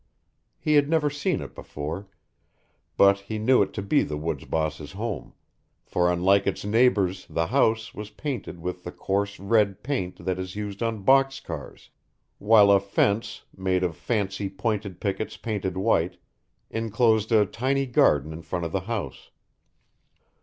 He had never seen it before, but he knew it to be the woods boss's home, for unlike its neighbours the house was painted with the coarse red paint that is used on box cars, while a fence, made of fancy pointed pickets painted white, inclosed a tiny garden in front of the house.